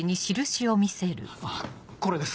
あっこれです。